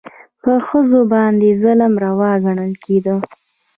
په ښځو باندې ظلم روان ګڼل کېده.